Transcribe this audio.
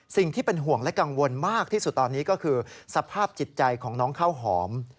สิ่งที่เป็นห่วงและกังวลมากที่สุดตอนนี้ก็คือสภาพจิตใจของน้องข้าวหอม